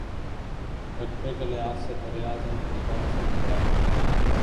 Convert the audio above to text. رقبے کے لحاظ سے براعظم افریقہ کا سب بڑا ملک ہے